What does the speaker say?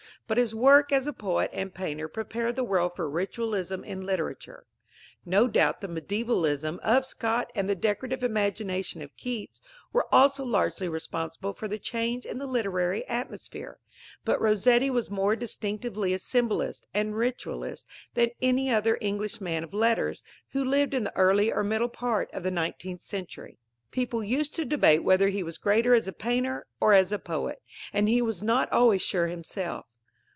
But his work as poet and painter prepared the world for ritualism in literature. No doubt the medievalism of Scott and the decorative imagination of Keats were also largely responsible for the change in the literary atmosphere; but Rossetti was more distinctively a symbolist and ritualist than any other English man of letters who lived in the early or middle part of the nineteenth century. People used to debate whether he was greater as a painter or as a poet, and he was not always sure himself.